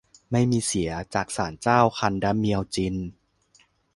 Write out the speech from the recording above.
ไม่มีเสีย จากศาลเจ้าคันดะเมียวจิน